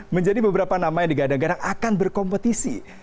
menjadi beberapa nama yang digadang gadang akan berkompetisi